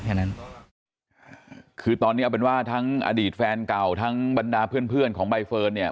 แค่นั้นคือตอนนี้เอาเป็นว่าทั้งอดีตแฟนเก่าทั้งบรรดาเพื่อนเพื่อนของใบเฟิร์นเนี่ย